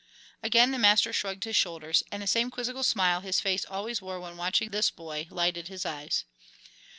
Again the master shrugged his shoulders, and the same quizzical smile his face always wore when watching this boy lighted his eyes.